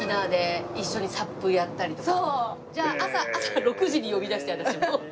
朝６時に呼び出して私も。